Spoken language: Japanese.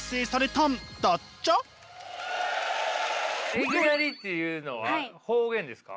いぎなりというのは方言ですか？